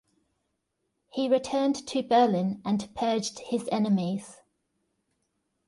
He returned to Berlin and purged his enemies.